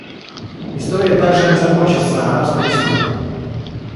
История также не закончится «арабской весной».